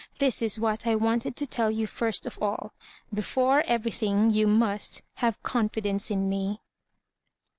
This is what I wanted to tell you first of all Before everything, you must havo confidence in me."